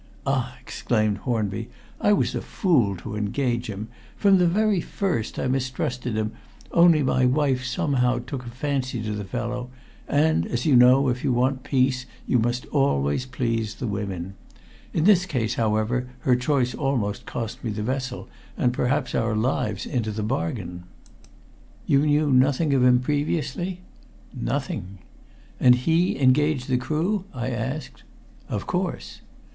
"Ah!" exclaimed Hornby, "I was a fool to engage him. From the very first I mistrusted him, only my wife somehow took a fancy to the fellow, and, as you know, if you want peace you must always please the women. In this case, however, her choice almost cost me the vessel, and perhaps our lives into the bargain." "You knew nothing of him previously?" "Nothing." "And he engaged the crew?" I asked. "Of course."